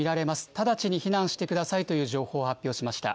直ちに避難してくださいという情報を発表しました。